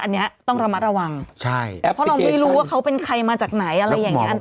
อันนี้ต้องระมัดระวังใช่แต่เพราะเราไม่รู้ว่าเขาเป็นใครมาจากไหนอะไรอย่างนี้